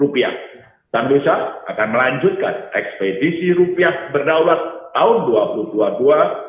bank dosa akan melanjutkan ekspedisi rupiah berdaulat tahun dua ribu dua puluh dua